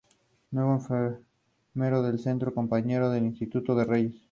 A pesar de respetar la arquitectura, se modernizó la protección antiincendios.